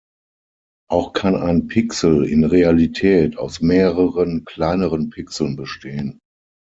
Auch kann ein Pixel in Realität aus mehreren kleineren Pixeln bestehen.